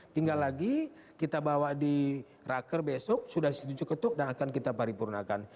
tinggal lagi kita bawa di raker besok sudah setuju ketuk dan akan kita paripurnakan